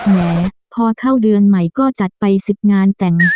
แหมพอเข้าเดือนใหม่ก็จัดไป๑๐งานแต่ง